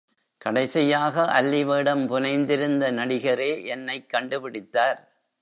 கடைசியாக அல்லிவேடம் புனைந்திருந்த நடிகரே என்னைக் கண்டுபிடித்தார்.